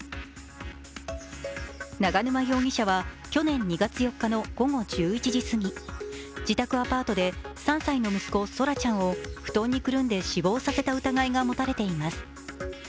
永沼容疑者は去年２月４日の午後１１時過ぎ、自宅アパートで３歳の息子、奏良ちゃんを布団にくるんで死亡させた疑いが持たれています。